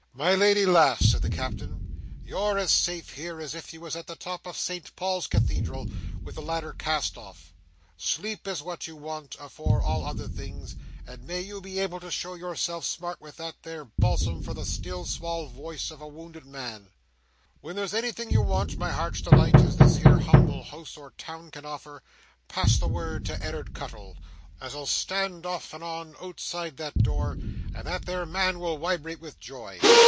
"My lady lass!" said the Captain, "you're as safe here as if you was at the top of St Paul's Cathedral, with the ladder cast off. Sleep is what you want, afore all other things, and may you be able to show yourself smart with that there balsam for the still small woice of a wounded mind! When there's anything you want, my Heart's Delight, as this here humble house or town can offer, pass the word to Ed'ard Cuttle, as'll stand off and on outside that door, and that there man will wibrate with joy."